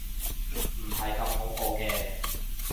唔係咁恐怖嘅